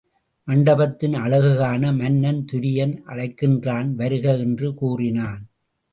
மண்டபத்தின் அழகுகாண மன்னன் துரியன் அழைக்கின்றான் வருக என்று கூறினான்.